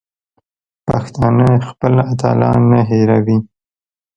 پښتانه خپل اتلان نه هېروي.